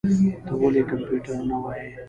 ته ولي کمپيوټر نه وايې؟